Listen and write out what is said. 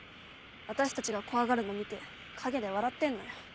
私たちが怖がるの見て陰で笑ってんのよ。